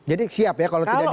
jadi siap ya kalau terjadi